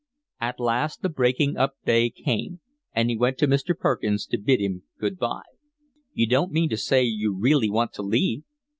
At last the breaking up day came, and he went to Mr. Perkins to bid him good bye. "You don't mean to say you really want to leave?"